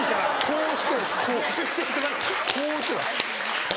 こうしてた。